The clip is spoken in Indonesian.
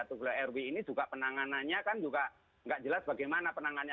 tugla rw ini juga penanganannya kan juga tidak jelas bagaimana penangannya